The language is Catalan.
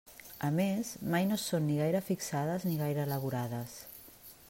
A més, mai no són ni gaire fixades ni gaire elaborades.